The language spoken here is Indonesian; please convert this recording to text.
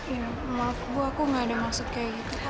ya maaf bu aku nggak ada maksud kayak gitu